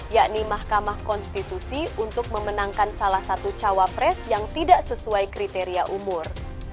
yakni mahkamah konstitusi untuk memenangkan salah satu cawapres yang tidak sesuai kriteria umur